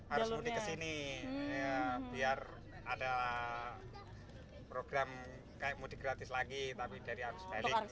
arus mudik kesini biar ada program kayak mudik gratis lagi tapi dari arus balik